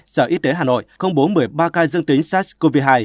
sở y tế hà nội công bố một mươi ba ca dương tính sars cov hai